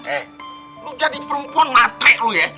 eh lu jadi perempuan matrik lu ya